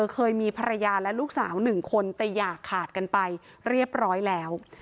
เคยมีภรรยาและลูกสาว๑คนแต่อย่าขาดกันไปเรียบร้อยแล้ว